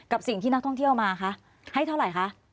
สิ่งที่นักท่องเที่ยวมาคะให้เท่าไหร่คะ